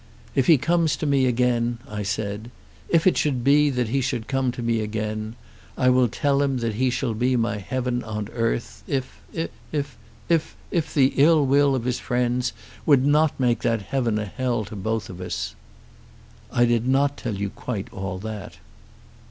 'If he comes to me again,' I said 'if it should be that he should come to me again, I will tell him that he shall be my heaven on earth, if, if, if the ill will of his friends would not make that heaven a hell to both of us.' I did not tell you quite all that."